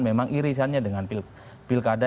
memang irisannya dengan pilkada